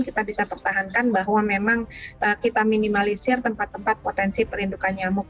kita bisa pertahankan bahwa memang kita minimalisir tempat tempat potensi perindukan nyamuk